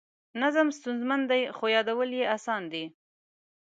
نظم ستونزمن دی خو یادول یې اسان دي.